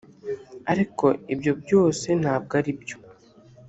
ariko ibyo byose ntabwo aribyo